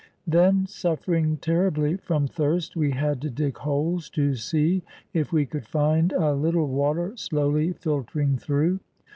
Then sufifering terribly from thirst, we had to dig holes to see if we could find a little water slowly filtering through.